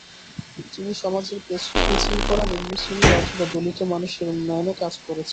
তিনি সমাজের পিছিয়ে পড়া নিম্নশ্রেণির অথবা, দলিত মানুষের উন্নয়নে কাজ করেছেন।